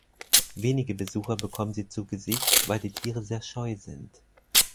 Wenige Besucher bekommen sie zu Gesicht, weil die Tiere sehr scheu sind.